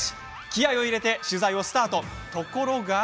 気合いを入れて取材をスタート。